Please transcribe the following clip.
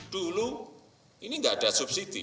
dulu ini nggak ada subsidi